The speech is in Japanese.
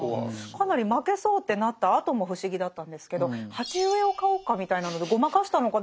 かなり負けそうってなったあとも不思議だったんですけど「鉢植えを買おうか」みたいなのでごまかしたのか。